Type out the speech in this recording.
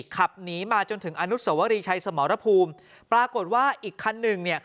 ขับหนีมาจนถึงอนุสวรีชัยสมรภูมิปรากฏว่าอีกคันหนึ่งเนี่ย